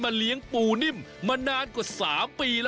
วันนี้พาลงใต้สุดไปดูวิธีของชาวปักใต้อาชีพชาวเล่น